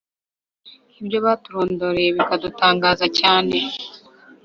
ibyo baturondoreye bikadutangaza cyane: